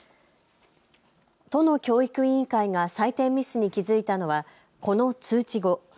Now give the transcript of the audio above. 都の教育委員会が採点ミスに気付いたのはこの通知後。